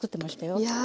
いや。